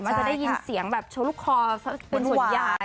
จะได้ยินเสียงแบบโชว์ลูกคอเป็นส่วนใหญ่